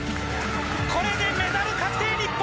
これで、メダル確定、日本！